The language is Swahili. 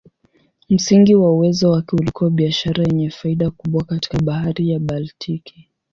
Msingi wa uwezo wake ulikuwa biashara yenye faida kubwa katika Bahari ya Baltiki.